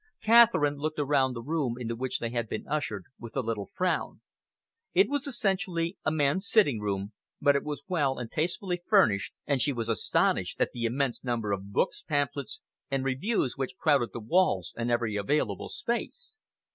Catherine looked around the room into which they had been ushered, with a little frown. It was essentially a man's sitting room, but it was well and tastefully furnished, and she was astonished at the immense number of books, pamphlets and Reviews which crowded the walls and every available space.